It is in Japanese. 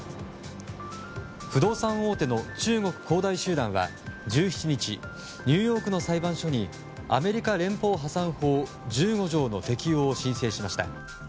不動産大手の中国恒大集団は１７日ニューヨークの裁判所にアメリカ連邦破産法１５条の適用を申請しました。